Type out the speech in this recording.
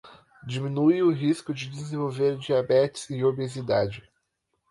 Diminui o risco de desenvolver diabetes e obesidade